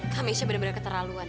khamisya bener bener keterlaluan